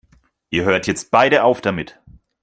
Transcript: Ihr hört jetzt beide auf damit!